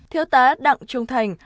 thiếu tá đặng trung thành